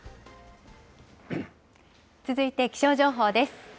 続いて気象情報です。